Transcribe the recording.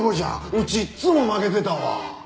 うちいっつも負けてたわ！